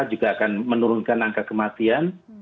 juga akan menurunkan angka kematian